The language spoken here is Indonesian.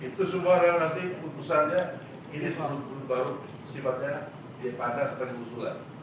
itu semua adalah nanti putusannya ini tahun baru sifatnya dipandang sebagai usulan